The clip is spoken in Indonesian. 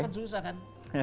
kan susah kan